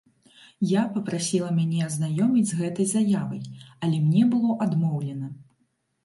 Я папрасіла мяне азнаёміць з гэтай заявай, але мне было адмоўлена.